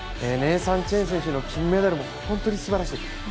ネイサン・チェン選手の金メダルも本当にすばらしい。